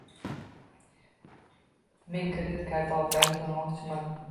Men kredit karta orqali to'lamoqchiman.